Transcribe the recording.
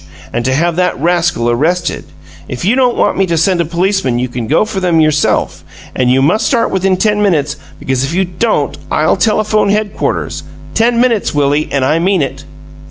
And to have that rascal arrested. If you don't want me to send a policeman you can go for them yourself, but you must start within ten minutes, because if you don't I'll telephone headquarters. Ten minutes, Willie, and I mean it!"